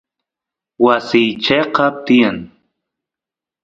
wasiy cheqap tiyan